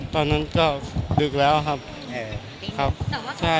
ให้ไอมาเยี่ยมดูใจพ่อทำไมไอถึงไม่ยอมมา